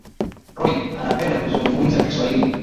Roy anapenda kuzungumza kiswahili